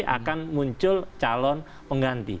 akan muncul calon pengganti